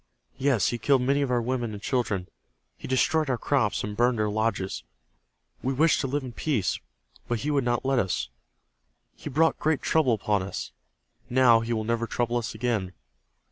Yes, he killed many of our women and children. He destroyed our crops, and burned our lodges. We wished to live in peace, but he would not let us. He brought great trouble upon us. Now he will never trouble us again.